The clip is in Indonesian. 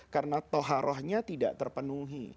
karena toharohnya tidak terpenuhi